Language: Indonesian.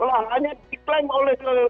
lahannya diklaim oleh